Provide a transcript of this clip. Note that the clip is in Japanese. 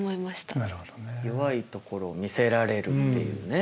弱いところを見せられるっていうね。